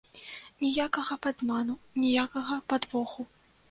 Ніякага падману, ніякага падвоху.